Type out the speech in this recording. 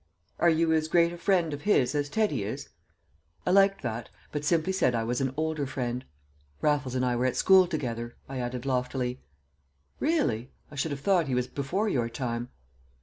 "Are you as great a friend of his as Teddy is?" I liked that, but simply said I was an older friend. "Raffles and I were at school together," I added loftily. "Really? I should have thought he was before your time."